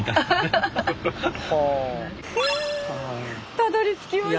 たどりつきましたよ。